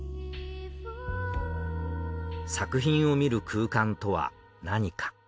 作品を見る空間とは何か？